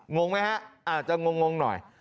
งงไหมฮะอาจจะงงหน่อย